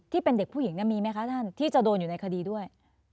ที่เป็นเด็กผู้หญิงมีไหมคะท่านที่จะโดนอยู่ในคดีด้วย